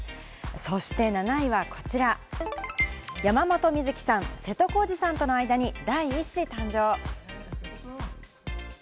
そして７位はこちら、山本美月さん、瀬戸康史さんとの間に第１子誕生。